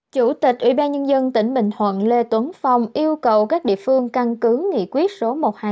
chủ tịch ủy ban nhân dân tỉnh bình thuận lê tuấn phong yêu cầu các địa phương căn cứ nghị quyết số một trăm hai mươi tám